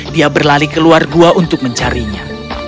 dia berlari keluar gua untuk mencarinya